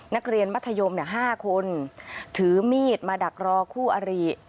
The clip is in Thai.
นักเรียนมัธยม๕คนถือมีดมาดักรอคู่อริ